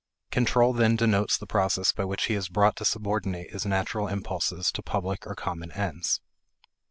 Control then denotes the process by which he is brought to subordinate his natural impulses to public or common ends.